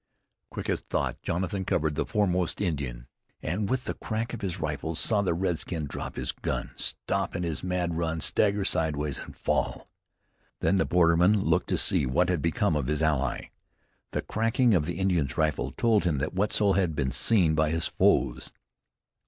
Quick as thought Jonathan covered the foremost Indian, and with the crack of his rifle saw the redskin drop his gun, stop in his mad run, stagger sideways, and fall. Then the borderman looked to see what had become of his ally. The cracking of the Indian's rifle told him that Wetzel had been seen by his foes.